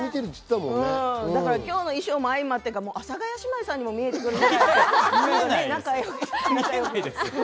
今日の衣装も相まってか阿佐ヶ谷姉妹さんに見えてきて。